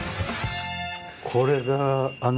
これがあの。